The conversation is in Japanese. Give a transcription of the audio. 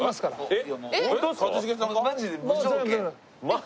えっ！？